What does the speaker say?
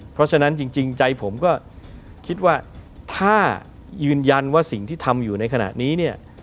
เพราะฉะนั้นจริงใจผมก็คิดว่าถ้ายืนยันว่าสิ่งที่ทำอยู่ในขณะนี้เนี่ย